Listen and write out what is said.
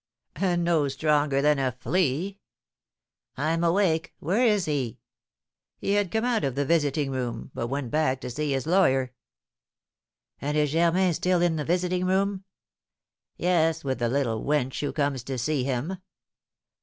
"And no stronger than a flea." "I'm awake. Where is he?" "He had come out of the visiting room, but went back again to see his lawyer." "And is Germain still in the visiting room?" "Yes, with the little wench who comes to see him."